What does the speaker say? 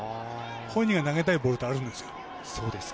本人が投げたいボールってあるんですよ。